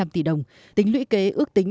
năm trăm linh tỷ đồng tính lũy kế ước tính